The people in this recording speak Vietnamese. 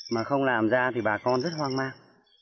mà không làm ra thì bà con rất hoang mang